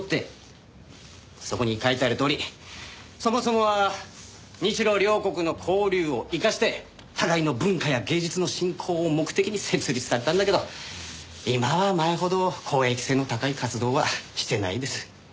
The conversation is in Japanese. そこに書いてあるとおりそもそもは日ロ両国の交流を生かして互いの文化や芸術の振興を目的に設立されたんだけど今は前ほど公益性の高い活動はしてないです。